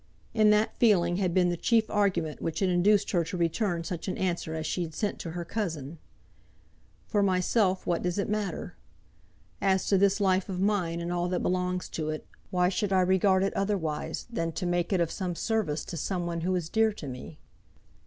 In that feeling had been the chief argument which had induced her to return such an answer as she had sent to her cousin. "For myself, what does it matter? As to this life of mine and all that belongs to it, why should I regard it otherwise than to make it of some service to some one who is dear to me?"